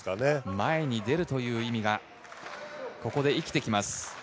前に出るという意味が、ここで生きてきます。